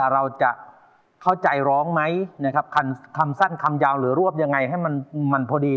เราจะเข้าใจร้องไหมนะครับคำสั้นคำยาวหรือรวบยังไงให้มันพอดี